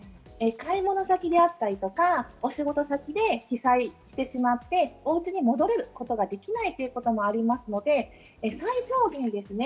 買い物先であったりとか、お仕事先で被災してしまって、おうちに戻ることができないということもありますので、最小限ですね。